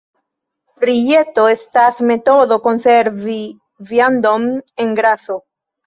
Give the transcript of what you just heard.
Rijeto estas metodo konservi viandon en graso.